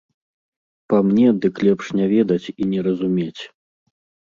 Па мне, дык лепш не ведаць і не разумець.